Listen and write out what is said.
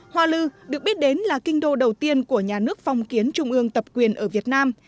hoa lư được biết đến là kinh đô đầu tiên của nhà nước phong kiến trung ương tập quyền ở việt nam